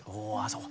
そう。